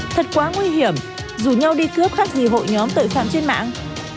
thật quá nguy hiểm rủ nhau đi cướp khác gì hội nhóm tội phạm trên mạng